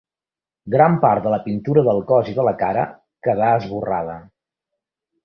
Gran part de la pintura del cos i de la cara quedà esborrada.